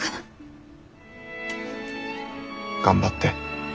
頑張って。